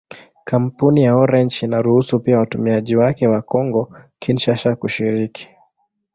Kampuni ya Orange inaruhusu pia watumiaji wake wa Kongo-Kinshasa kushiriki.